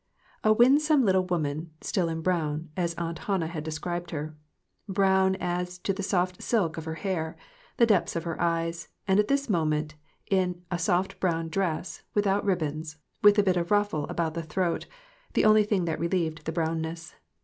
A winsome little woman, still in brown, as Aunt Hannah had described her. Brown as to the soft silk of her hair, the depths of her eyes, and at this moment in a soft brown dress, without ribbons, with a bit of ruffle about the throat, the only thing that relieved the brownness.